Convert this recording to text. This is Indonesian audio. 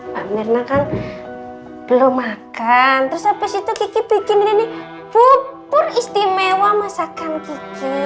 pak mirna kan belum makan terus habis itu kiki bikin ini bubur istimewa masakan kici